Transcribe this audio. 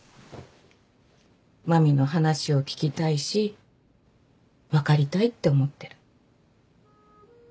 麻美の話を聞きたいし分かりたいって思ってる。